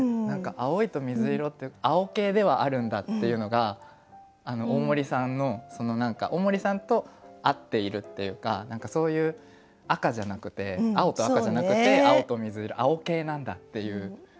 何か「青い」と「みずいろ」って青系ではあるんだっていうのが大森さんのその何か大森さんと合っているっていうか何かそういう赤じゃなくて青と赤じゃなくて青とみずいろ青系なんだっていう。